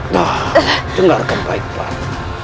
nah dengarkan baik baik